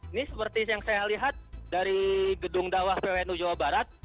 ini seperti yang saya lihat dari gedung dawah pwnu jawa barat